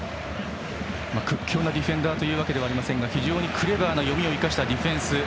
屈強なディフェンダーということではありませんが非常にクレバーな読みを生かしたディフェンス。